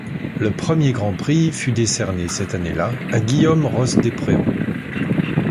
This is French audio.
Le Premier Grand Prix fut décerné cette année là à Guillaume Ross-Despréaux.